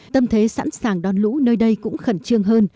tâm thế sẵn sàng đón lũ nơi đây cũng khẩn trương hơn